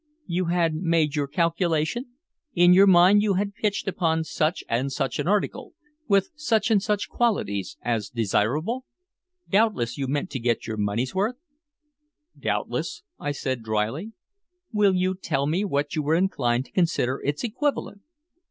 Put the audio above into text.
"You had made your calculation? In your mind you had pitched upon such and such an article, with such and such qualities, as desirable? Doubtless you meant to get your money's worth?" "Doubtless," I said dryly. "Will you tell me what you were inclined to consider its equivalent?"